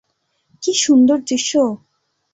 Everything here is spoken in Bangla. কী সুন্দর দৃশ্য!